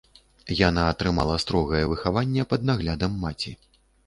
Яна атрымала строгае выхаванне пад наглядам маці.